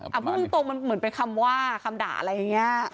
เอาพูดตรงมันเหมือนเป็นคำว่าคำด่าอะไรอย่างนี้